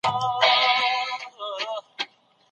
ژبه مو په نړۍ کې ځلېږي.